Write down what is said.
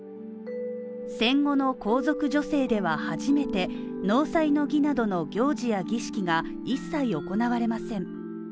戦後の皇族女性では初めて納采の儀などの行事や儀式が一切行われません。